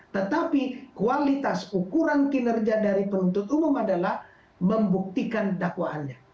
tetapi kualitas ukuran kinerja dari penuntut umum adalah membuktikan dakwaannya